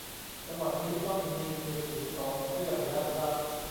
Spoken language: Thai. จังหวะนี้ต้องมีมือถือสองเครื่องแล้วครับ